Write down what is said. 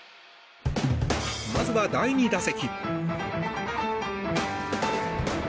まずは第２打席。